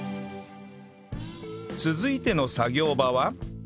続いての作業場は